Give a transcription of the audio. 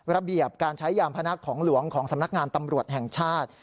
ระเบียบการใช้ยามพนักของหลวงของสำนักงานตำรวจแห่งชาติ